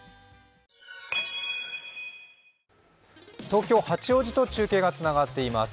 東京・八王子と中継がつながっています。